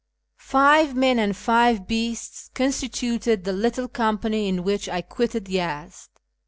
Five men and five beasts constituted the little company in which I quitted Yezd.